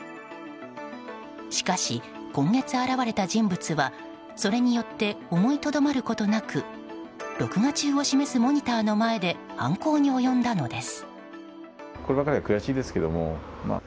しかし、今月現れた人物はそれによって思いとどまることなく録画中を示すモニターの前で犯行に及んだのです。